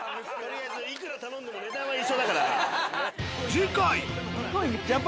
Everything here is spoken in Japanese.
次回！